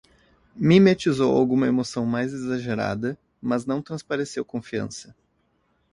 Mimetizou alguma emoção mais exagerada, mas não transpareceu confiança